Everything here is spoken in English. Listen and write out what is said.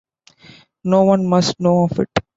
No one must know of it.